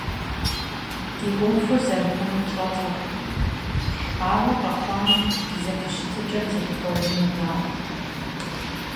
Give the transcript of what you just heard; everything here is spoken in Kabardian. Ди ӏуэхур зэрыхъунур тщӏэртэкъым, ауэ къэхъуам ди зэхущытыкӀэр зэрихъуэжынур наӏуэт.